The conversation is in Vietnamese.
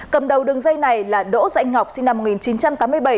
cầm đầu đường dây này là đỗ danh ngọc sinh năm một nghìn chín trăm tám mươi bảy